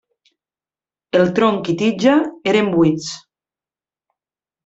El tronc i tija eren buits.